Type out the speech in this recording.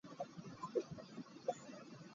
Ward was born in Columbus, Ohio.